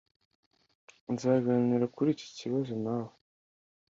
Nzaganira kuri iki kibazo nawe .